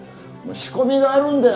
仕込みがあるんだよ。